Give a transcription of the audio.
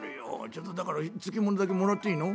ちょっとだから漬物だけもらっていいの？